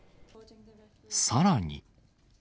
さらに。